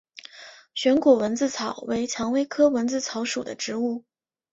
旋果蚊子草为蔷薇科蚊子草属的植物。